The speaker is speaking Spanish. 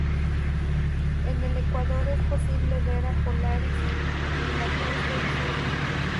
En el ecuador es posible ver a Polaris y la Cruz del Sur.